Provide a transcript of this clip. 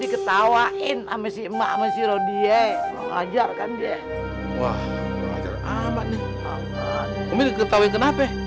ketawain sama si mak sama siro dia ngajarkan dia wah ngajar amat nih umi ketawain kenapa